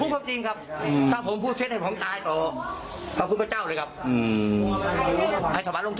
พูดความจริงครับถ้าผมพูดเช็ดให้พระอาจารย์โต